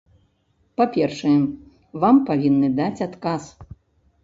Па-першае, вам павінны даць адказ.